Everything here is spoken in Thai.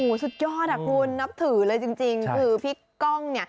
โหสุดยอดนับถือว่ะพี่ก้อง